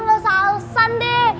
gak usah alusan deh